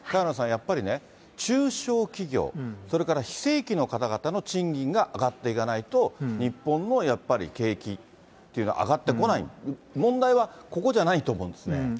やっぱりね、中小企業、それから非正規の方々の賃金が上がっていかないと、日本のやっぱり景気っていうのは上がってこない、問題はここじゃないと思うんですね。